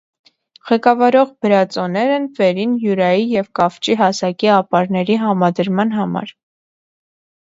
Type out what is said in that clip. Ղեկավարող բրածոներ են վերին յուրայի և կավճի հասակի ապարների համադրման համար։